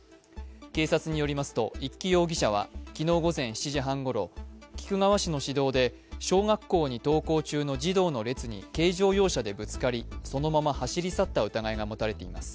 警察によりますと一木容疑者は昨日午前７時半ごろ菊川市の市道で小学校に登校中の児童の列に軽乗用車でぶつかりそのまま走り去った疑いが持たれています。